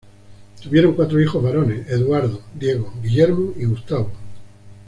Tuvieron cuatro hijos varones: Eduardo, Diego, Guillermo y Gustavo.